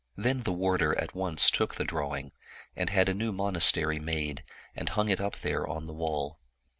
Then the warder at once took the drawing, and had a new monastery made, and hung it up there on the wall.